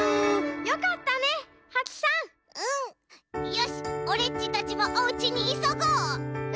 よしオレっちたちもおうちにいそごう！」。